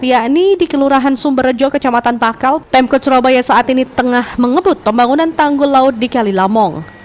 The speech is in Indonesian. yakni di kelurahan sumberjo kecamatan pakal pemkot surabaya saat ini tengah mengebut pembangunan tanggul laut di kalilamong